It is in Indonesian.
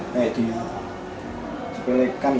kayak dipelekan ya